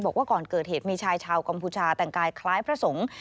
บอกว่าก่อนเกิดเหตุมีชายชาวกัมพูชาแต่งกายคล้ายพระสงฆ์